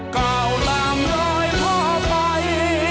กล่าวลามรอยพ่อไป